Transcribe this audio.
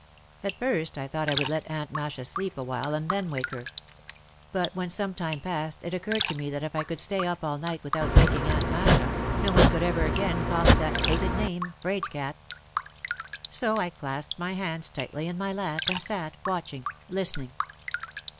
At first I thought I would let Aunt Masha sleep a while and then wake her. But when some time passed it oc curred to me that if I could stay up all night without waking Aunt Masha, no one could ever again call me that hated name, " 'Fraid cat." So I clasped my hands tightly in my lap and sat watching, listening.